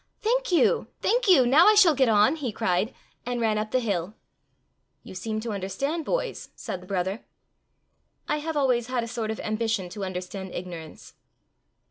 "Thank you! thank you! Now I shall get on!" he cried, and ran up the hill. "You seem to understand boys!" said the brother. "I have always had a sort of ambition to understand ignorance."